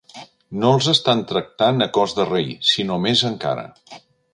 No els estan tractant a cos de rei, sinó més encara.